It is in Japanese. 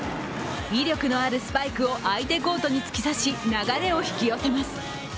威力のあるスパイクを相手コートに突き刺し、流れを引き寄せます。